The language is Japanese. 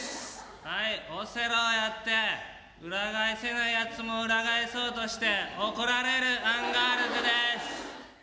はいオセロをやって裏返せないやつも裏返そうとして怒られるアンガールズです